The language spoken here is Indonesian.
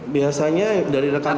biasanya dari rekam jantung